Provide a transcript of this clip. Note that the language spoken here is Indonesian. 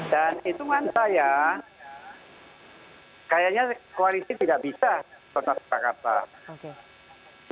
dan itungan saya kayaknya koalisi tidak bisa soalnya sepak pak